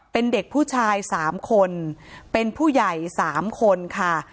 เป็นเด็กผู้ชาย๓คนเป็นผู้ใหญ่๓คนค่ะ